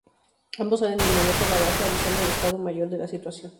Ambos salen de inmediato a la base, avisando al Estado Mayor de la situación.